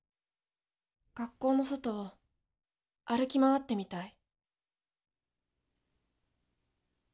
学校の外を歩き回ってみたい。